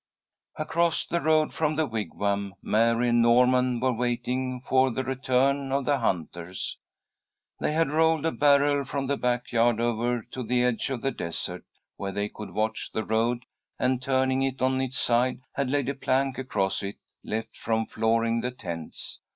Across the road from the Wigwam, Mary and Norman were waiting for the return of the hunters. They had rolled a barrel from the back yard over to the edge of the desert, where they could watch the road, and, turning it on its side, had laid a plank across it, left from flooring the tents.